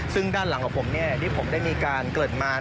ซึ่งด้านหลังของผมที่ผมได้มีการเกิดมา